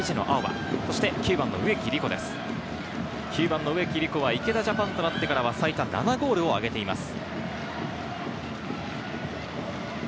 ９番・植木理子は池田ＪＡＰＡＮとなってから最多７ゴールをあげています。